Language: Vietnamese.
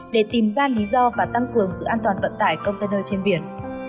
để tìm ra lý do và tăng cường sự an toàn vận tải container trên biển